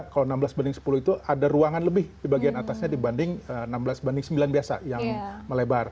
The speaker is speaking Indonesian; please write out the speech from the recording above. kalau enam belas banding sepuluh itu ada ruangan lebih di bagian atasnya dibanding enam belas banding sembilan biasa yang melebar